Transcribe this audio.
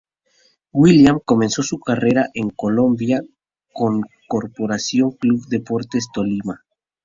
William comenzó su carrera en Colombia con Corporación Club Deportes Tolima.